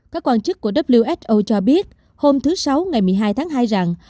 các quan chức của who cho biết hôm thứ sáu ngày một mươi hai tháng hai rằng